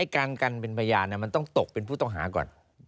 การกันเป็นพยานมันต้องตกเป็นผู้ต้องหาก่อน